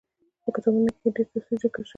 په کتابونو کي ئي ډير تفصيل ذکر شوی دی